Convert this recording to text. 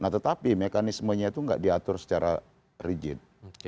nah tetapi mekanismenya itu tidak diatur secara rigid